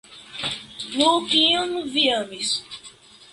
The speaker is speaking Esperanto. Iu, kiun vi amis.